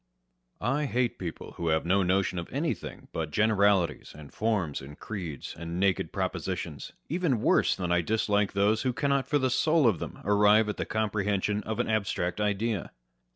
I hate people who have no notion of anything but generalities, and forms, and creeds, and naked propositions, even worse than I dislike those who cannot for the soul of them arrive at the comprehension of an abstract idea.